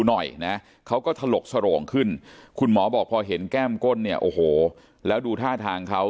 หน่อยนะเขาก็ถลกสโรงขึ้นคุณหมอบอกพอเห็นแก้มก้นเนี่ยโอ้โหแล้วดูท่าทางเขา